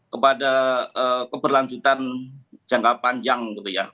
kepada keberlanjutan jangka panjang gitu ya